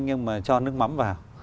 nhưng mà cho nước mắm vào